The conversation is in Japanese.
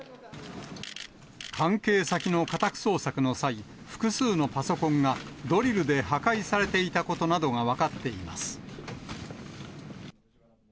関係先の家宅捜索の際、複数のパソコンが、ドリルで破壊されていたことなどが分かっています。